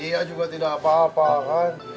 iya juga tidak apa apa kan